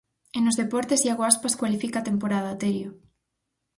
E nos deportes, Iago Aspas cualifica a temporada, Terio.